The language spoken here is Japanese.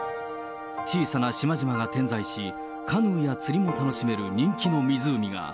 小さな島々が点在し、カヌーや釣りも楽しめる人気の湖が。